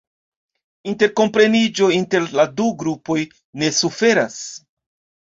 Interkompreniĝo inter la du grupoj ne suferas.